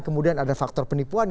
kemudian ada faktor penipuan